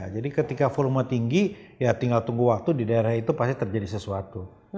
jadi ketika volume tinggi ya tinggal tunggu waktu di daerah itu pasti terjadi sesuatu